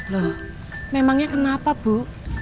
loh memangnya kenapa bu